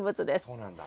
そうなんだ。